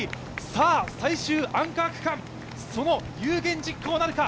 さあ、最終アンカー区間その有言実行なるか。